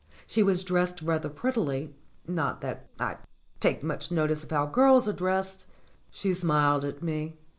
She was dressed rather prettily not that I take much notice how girls are dressed. She smiled at me.